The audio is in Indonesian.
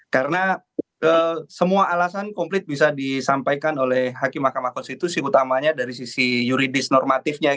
karena semua alasan komplit bisa disampaikan oleh hakim mahkamah konstitusi utamanya dari sisi yuridis normatifnya